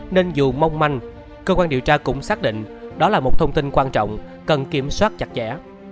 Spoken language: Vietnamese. nên dù mong manh cơ quan điều tra cũng xác định đó là một thông tin quan trọng cần kiểm soát chặt chẽ